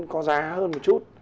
có giá hơn một chút